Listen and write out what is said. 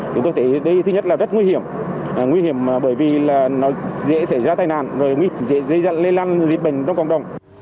chúng tôi thấy đây thứ nhất là rất nguy hiểm nguy hiểm bởi vì là nó dễ xảy ra tai nạn dễ lây lan dịch bệnh trong cộng đồng